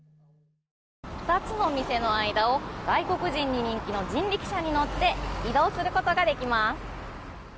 ２つの店の間を外国人に人気の人力車に乗って移動することができます。